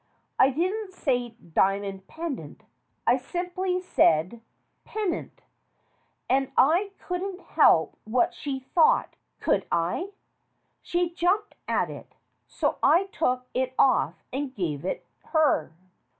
I didn't say 'diamond pendant' I simply said 'pen dant.' And I couldn't help what she thought, could I? She jumped at it, so I took it off and gave it her."